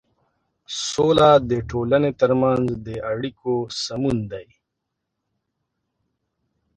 سوله د ټولنې تر منځ د اړيکو سمون دی.